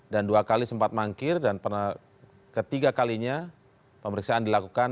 dan dua kali sempat mangkir dan ketiga kalinya pemeriksaan dilakukan